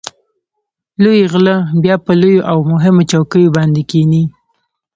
لوی غله بیا په لویو او مهمو چوکیو باندې کېني.